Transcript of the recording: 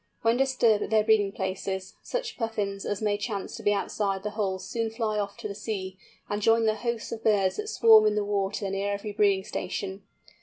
When disturbed at their breeding places, such Puffins as may chance to be outside the holes soon fly off to the sea, and join the hosts of birds that swarm in the water near every breeding station.